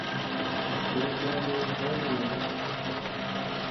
ووتو جو ڇو تو لڳ؟